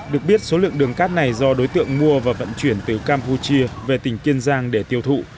được biết số lượng đường cát này do đối tượng mua và vận chuyển từ campuchia về tỉnh kiên giang để tiêu thụ